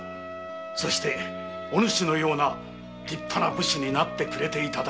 そしてお主のような立派な武士になってくれただろうと思うてな。